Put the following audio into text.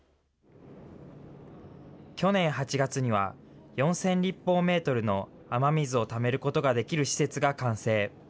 去年８月には、４０００立方メートルの雨水をためることができる施設が完成。